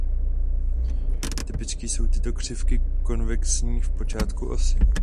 Typicky jsou tyto křivky konvexní k počátku osoby.